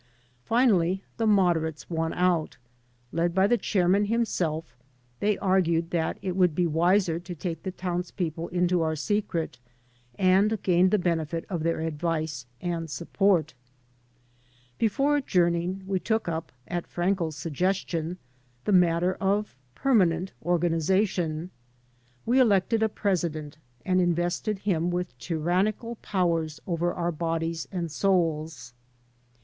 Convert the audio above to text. Finally the moderates won out. Led by the chairman himself, they argued that it would be wiser to take the townspeople into our secret, and gain the benefit of their advice and support. Before adjourning, we took up, at Frankel's sugges tion, the matter of permanent organization. We elected a president and invested him with tyrannical powers over our bodies and souls.